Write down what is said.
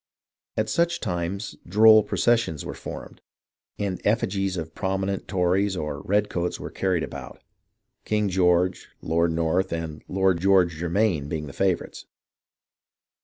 At such times " droll processions " were formed, and effigies of prominent Tories or redcoats were carried about, — King George, Lord North, and Lord George Ger main being the favourites.